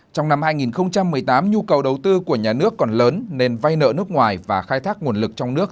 trong năm hai nghìn một mươi tám nhu cầu đầu tư của nhà nước còn lớn nên vay nợ nước ngoài và khai thác nguồn lực trong nước